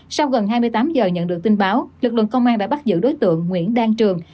sau gần hai mươi tám giờ nhận được tin báo lực lượng công an đã bắt giữ đối tượng nguyễn đăng trường